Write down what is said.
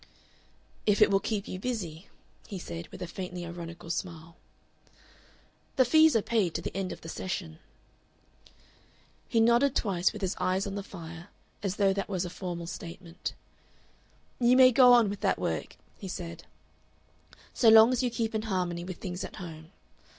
"If it will keep you busy," he said, with a faintly ironical smile. "The fees are paid to the end of the session." He nodded twice, with his eyes on the fire, as though that was a formal statement. "You may go on with that work," he said, "so long as you keep in harmony with things at home.